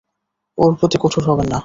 ওর প্রতি কঠোর হবেন না।